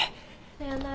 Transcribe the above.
さよなら。